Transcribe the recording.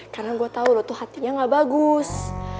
karena gue tau lo tuh hatinya gak bagus